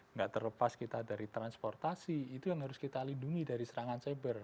nggak terlepas kita dari transportasi itu yang harus kita lindungi dari serangan cyber